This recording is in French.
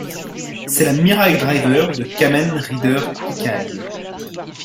C'est la Mirai Driver de Kamen Rider Kikai.